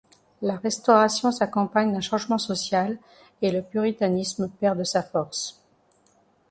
La Restauration s'accompagne d'un changement social, et le puritanisme perd de sa force.